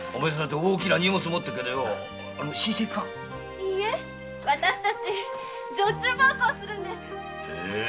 いいえわたしたち女中奉公するんです。